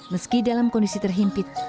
meski dalam kondisi terhimpit